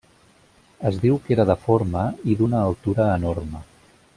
Es diu que era deforme i d'una altura enorme.